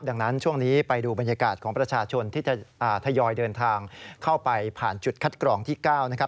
ดังนั้นช่วงนี้ไปดูบรรยากาศของประชาชนที่จะทยอยเดินทางเข้าไปผ่านจุดคัดกรองที่๙นะครับ